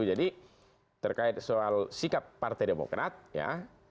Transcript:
terkait soal sikap partai demokrat ya